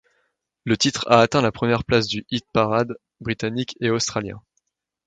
Le titre a atteint la première place du hit-parade britannique et australien.